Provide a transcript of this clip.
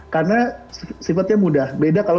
karena sifatnya mudah beda kalau